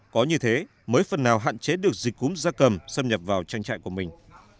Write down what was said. có như thế mới phần nào hạn chế được dịch cúm da cầm xâm nhập vào trang trại của mình